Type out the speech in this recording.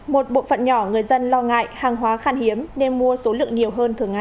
một bộ phận nhỏ người dân lo ngại hàng hóa khan hiếm nên mua số lượng nhiều hơn thường ngày